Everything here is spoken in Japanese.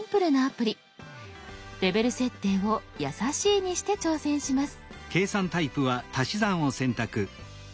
レベル設定を「やさしい」にして挑戦します。